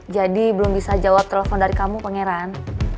belum bisa jawab telepon dari kamu pangeran